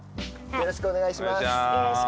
よろしくお願いします。